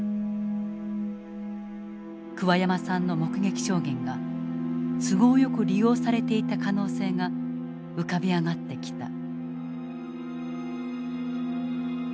桑山さんの目撃証言が都合よく利用されていた可能性が浮かび上がってきた。